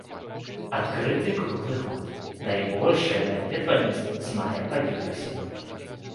Адкрыты круглы год, найбольшая наведвальнасць з мая па верасень.